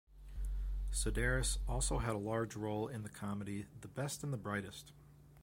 Sedaris also had a large role in the comedy "The Best and the Brightest".